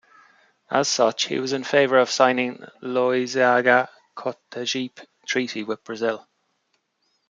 As such, he was in favor of signing Loizaga - Cotegipe Treaty with Brazil.